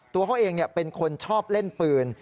ตัวเขาเองเป็นคนชอบเล่นปืน